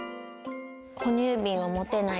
ほ乳瓶を持てない